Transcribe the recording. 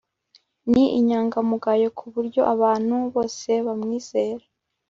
Ni inyangamugayo kuburyo abantu bose bamwizera